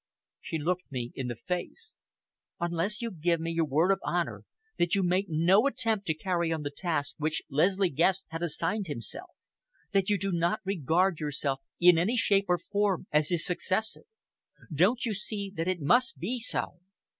She looked me in the face. "Unless you give me your word of honor that you make no attempt to carry on the task which Leslie Guest had assigned himself, that you do not regard yourself in any shape or form as his successor. Don't you see that it must be so?